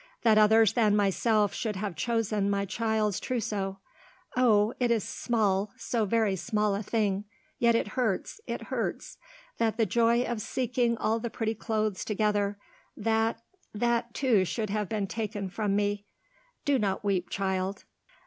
That others than myself should have chosen my child's trousseau; oh, it is small so very small a thing; yet it hurts; it hurts. That the joy of seeking all the pretty clothes together that, that, too, should have been taken from me. Do not weep, child."